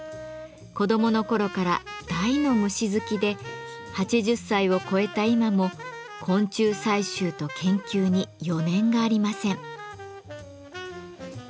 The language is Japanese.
子どもの頃から大の虫好きで８０歳を超えた今も昆虫採集と研究に余念がありません。